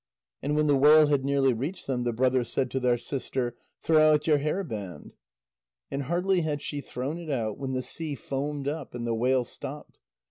And when the whale had nearly reached them, the brothers said to their sister: "Throw out your hairband." And hardly had she thrown it out when the sea foamed up, and the whale stopped.